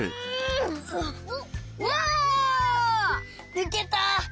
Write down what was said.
ぬけた！